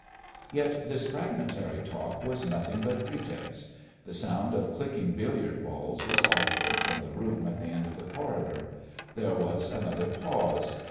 Yet this fragmentary talk was nothing but pretence. The sound of clicking billiard balls was audible from the room at the end of the corridor. There was another pause.